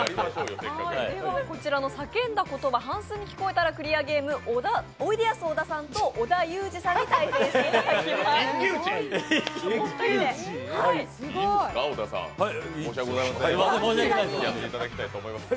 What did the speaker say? こちらの叫んだ言葉半数に聞こえたらクリアゲーム、おいでやす小田さんと織田裕二さんに対戦していただきます。